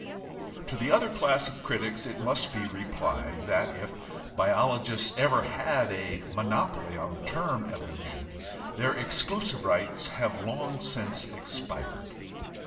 To the other class of critics it must be replied that if biologists ever had a monopoly on the term "evolution" their exclusive rights have long since expired.